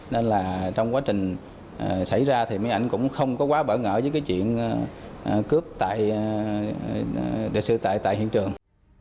nên là trong quá trình xảy ra thì mấy anh cũng không có quá bảo ngợi với cái chuyện cướp tại hiện trường